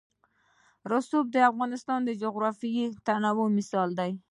رسوب د افغانستان د جغرافیوي تنوع مثال دی.